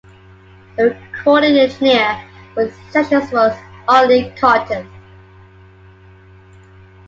The recording engineer for the sessions was Ollie Cotton.